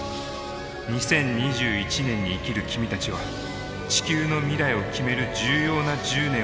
２０２１年に生きる君たちは地球の未来を決める重要な１０年を生きることになる。